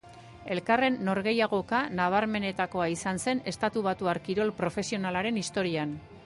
Elkarren norgehiagoka nabarmenetakoa izan zen estatubatuar kirol profesionalaren historian.